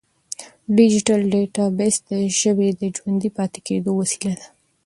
ډیجیټل ډیټابیس د ژبې د ژوندي پاتې کېدو وسیله ده.